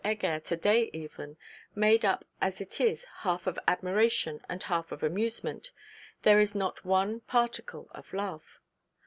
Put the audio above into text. Heger to day even, made up as it is half of admiration and half of amusement, there is not one particle of love.